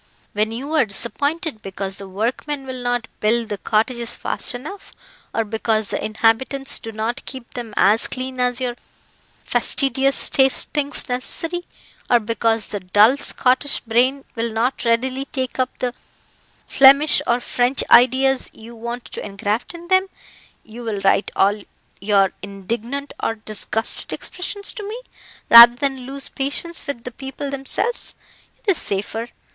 "When you are disappointed because the workmen will not build the cottages fast enough, or because the inhabitants do not keep them as clean as your fastidious taste thinks necessary, or because the dull Scottish brain will not readily take up the Flemish or French ideas you want to engraft in them, you will write all your indignant or disgusted expressions to me, rather than lose patience with the people themselves it is safer.